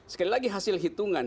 sekali lagi hasil hitungan